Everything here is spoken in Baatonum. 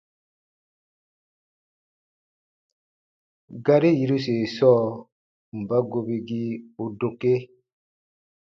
Gari yiruse sɔɔ: mba gobigii u dokee?